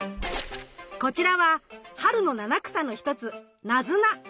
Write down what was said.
こちらは春の七草の一つナズナ。